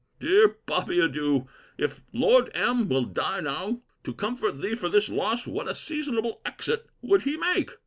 Dear Bobby, adieu. If Lord M. will die now, to comfort thee for this loss, what a seasonable exit would he make!